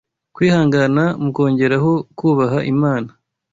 kwihangana mukongereho kubaha Imana